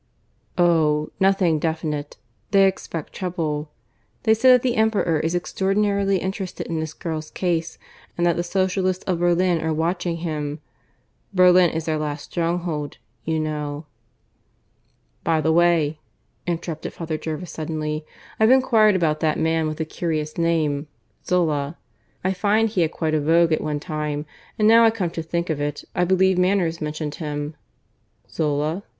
"Oh! nothing definite. They expect trouble. They say that the Emperor is extraordinarily interested in this girl's case, and that the Socialists of Berlin are watching him. Berlin is their last stronghold, you know." "By the way," interrupted Father Jervis suddenly, "I've enquired about that man with the curious name Zola. I find he had quite a vogue at one time. And now I come to think of it, I believe Manners mentioned him." "Zola?"